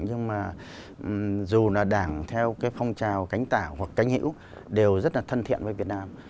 nhưng mà dù là đảng theo cái phong trào cánh tảo hoặc cánh hữu đều rất là thân thiện với việt nam